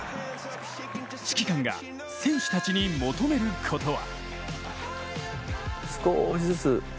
指揮官が選手たちに求めることは。